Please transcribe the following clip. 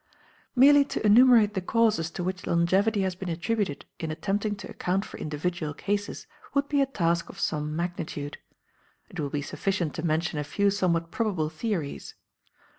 Merely to enumerate the causes to which longevity has been attributed in attempting to account for individual cases would be a task of some magnitude; it will be sufficient to mention a few somewhat probable theories.